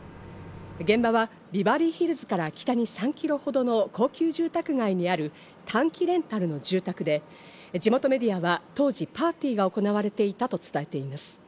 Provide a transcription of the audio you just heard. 現場はビバリーヒルズから北に３キロほどの高級住宅街にある短期レンタルの住宅で、地元メディアは当時、パーティーが行われていたと伝えています。